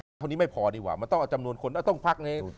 ไอ้ตอนนี้ไม่พอดีกว่ามันต้องจำนวนคนต้องพัก